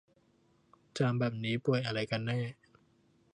จามแบบนี้ป่วยอะไรกันแน่